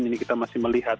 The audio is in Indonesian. dan ini kita masih melihat